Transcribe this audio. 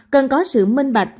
cần có sự minh bạch